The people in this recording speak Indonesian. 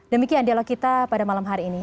demikian dialog kita pada malam hari ini